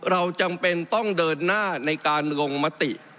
เราจำเป็นต้องเดินหน้าในการลงมติ